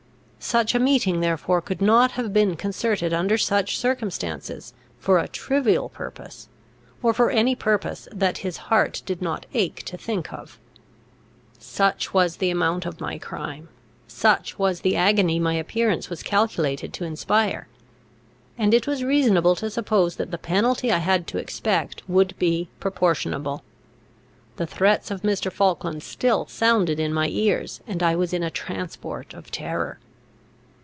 Such a meeting therefore could not have been concerted under such circumstances, for a trivial purpose, or for any purpose that his heart did not ache to think of. Such was the amount of my crime, such was the agony my appearance was calculated to inspire; and it was reasonable to suppose that the penalty I had to expect would be proportionable. The threats of Mr. Falkland still sounded in my ears, and I was in a transport of terror.